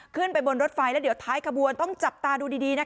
ขึ้นไปบนรถไฟแล้วเดี๋ยวท้ายขบวนต้องจับตาดูดีนะคะ